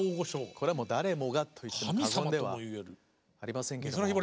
これは誰もがと言っても過言ではありませんけども。